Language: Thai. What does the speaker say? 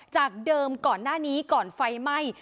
จากเดิมก่อนหน้านี้ก่อนไฟไหม้